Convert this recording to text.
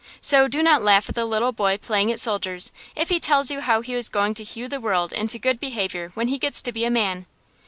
So do not laugh at the little boy playing at soldiers, if he tells you he is going to hew the world into good behavior when he gets to be a man.